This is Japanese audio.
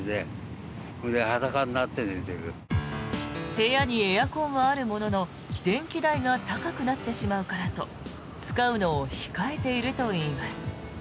部屋にエアコンはあるものの電気代が高くなってしまうからと使うのを控えているといいます。